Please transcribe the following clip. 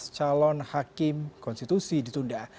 sebelas calon hakim konstitusi ditunda